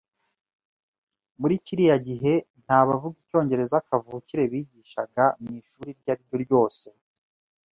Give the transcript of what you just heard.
Muri kiriya gihe nta bavuga icyongereza kavukire bigishaga mu ishuri iryo ari ryo ryose.